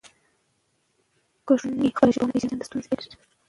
که ښوونکی خپله ژبه ونه پېژني ستونزه پیدا کېږي.